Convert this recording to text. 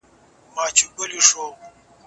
د پښتو ژبي دپاره باید د معاصر وخت غوښتنې ومنل سي